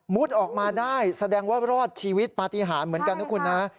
ออกมาได้แสดงว่ารอดชีวิตปฏิหารเหมือนกันนะคุณนะ